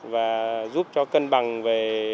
và giúp cho cân bằng về